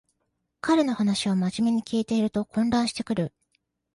彼の話をまじめに聞いてると混乱してくる